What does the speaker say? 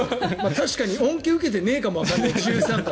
確かに恩恵を受けてないかもわからない。